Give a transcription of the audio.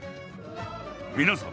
皆さん